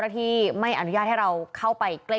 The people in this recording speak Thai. ที่ไม่อนุญาตให้เราเข้าไปใกล้